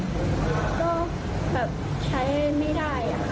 ก็แบบใช้ไม่ได้